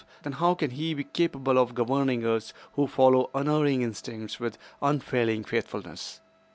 Then how can he be capable of governing us who follow unerring instincts with unfailing faithfulness?